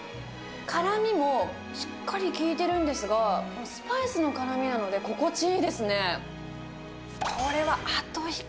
辛みもしっかり効いてるんですが、スパイスの辛みなので、心地いいですね。